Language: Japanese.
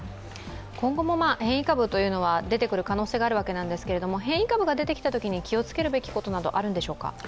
今後も変異株は出てくる可能性があるわけなんですが、変異株が出てきたときに気をつけるべきことなどはあるんでしょうか？